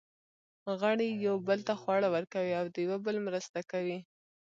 غړي یوه بل ته خواړه ورکوي او د یوه بل مرسته کوي.